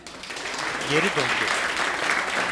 Geri döndü.